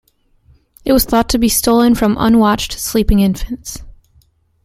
It was thought to be stolen from unwatched, sleeping infants.